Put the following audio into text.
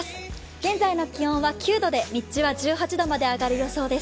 現在の気温は９度で日中は１８度まで上がる予想です。